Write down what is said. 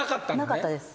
なかったです。